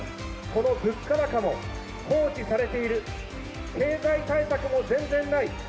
この物価高も放置されている、経済対策も全然ない。